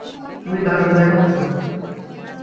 তুমি দারুণ দেখাচ্ছ।